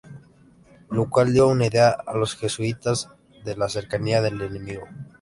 Lo cual dio una idea a los jesuitas de la cercanía del enemigo.